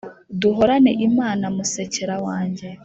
duhorane imana musekera wange .